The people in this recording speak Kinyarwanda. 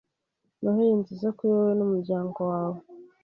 Noheri nziza kuri wowe numuryango wawe